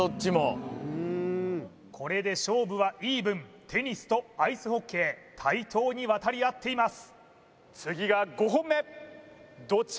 これで勝負はイーブンテニスとアイスホッケー対等に渡り合っています